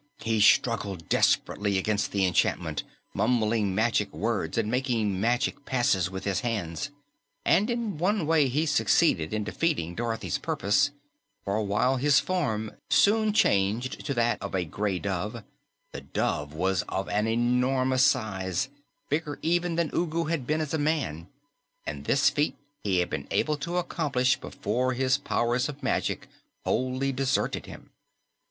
He struggled desperately against the enchantment, mumbling magic words and making magic passes with his hands. And in one way he succeeded in defeating Dorothy's purpose, for while his form soon changed to that of a gray dove, the dove was of an enormous size, bigger even than Ugu had been as a man, and this feat he had been able to accomplish before his powers of magic wholly deserted him.